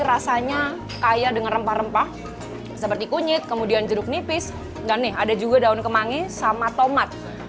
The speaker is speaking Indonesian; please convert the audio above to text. jadi rasanya kaya dengan rempah rempah seperti kunyit kemudian jeruk nipis dan nih ada juga daun kemangi sama tomat